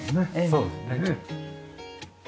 そうですね。